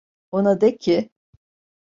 Ona de ki…